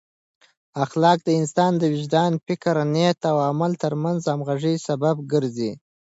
اخلاق د انسان د وجدان، فکر، نیت او عمل ترمنځ د همغږۍ سبب ګرځي.